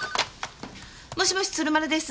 もしもし鶴丸です。